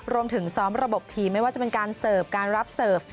รวมถึงซ้อมระบบทีมไม่ว่าจะเป็นการเสิร์ฟการรับเสิร์ฟ